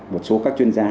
một số các chuyên gia